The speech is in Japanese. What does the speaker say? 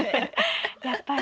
やっぱり？